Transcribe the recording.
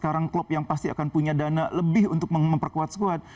sekarang klub yang pasti akan punya dana lebih untuk memperkuat squad